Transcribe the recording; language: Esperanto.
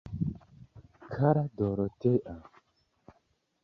Kara Dorotea!